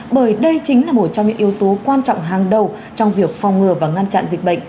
bởi đây chính là một trong những yếu tố quan trọng hàng đầu trong việc phòng ngừa và ngăn chặn dịch bệnh